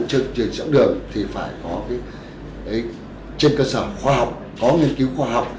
trong trường truyền sữa học đường phải có nghiên cứu khoa học